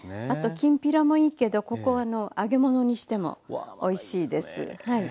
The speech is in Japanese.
きんぴらもいいけどここは揚げ物にしてもおいしいです。